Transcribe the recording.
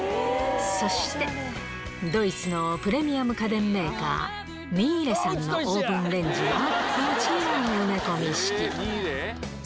そして、ドイツのプレミアム家電メーカー、ミーレさんのオーブンレンジは、もちろん埋め込み式。